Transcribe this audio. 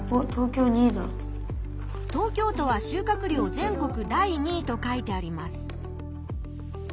東京都は収穫量全国第２位と書いてあります。